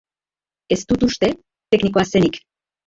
Ez dut uste tenikoa zenik.